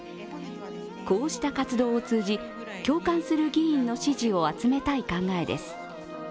こうした活動を通じ、共感する議員の支持を集めたい考えです。